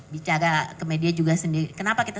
bicara ke media juga sendiri kenapa kita